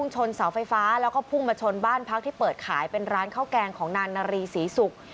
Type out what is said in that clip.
ชนเสาไฟฟ้าแล้วก็พุ่งมาชนบ้านพักที่เปิดขายเป็นร้านข้าวแกงของนางนารีศรีศุกร์